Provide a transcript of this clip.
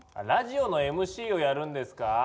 ラジオのＭＣをやるんですか？